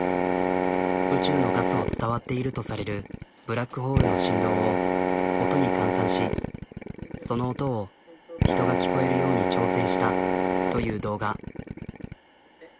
宇宙のガスを伝わっているとされるブラックホールの振動を音に換算しその音を人が聞こえるように調整したという動画。